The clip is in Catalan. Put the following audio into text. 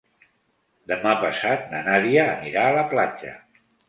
Demà passat na Nàdia anirà a la platja.